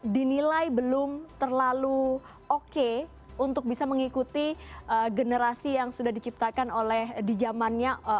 dinilai belum terlalu oke untuk bisa mengikuti generasi yang sudah diciptakan oleh di zamannya